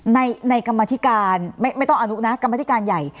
ในกรรมธิการไม่ต้องอนุนะกรรมธิการใหญ่